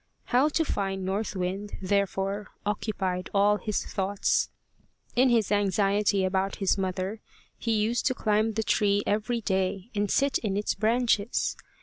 How to find North Wind, therefore, occupied all his thoughts. In his anxiety about his mother, he used to climb the tree every day, and sit in its branches.